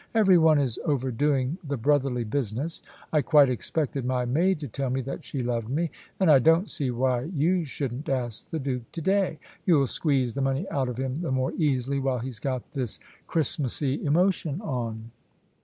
"Every one is overdoing the brotherly business. I quite expected my maid to tell me that she loved me. And I don't see why you shouldn't ask the Duke to day. You'll squeeze the money out of him the more easily while he's got this Christmassy emotion on."